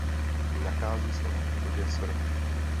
Nachází se na východě Svratky.